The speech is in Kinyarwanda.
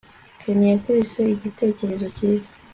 ken yakubise igitekerezo cyiza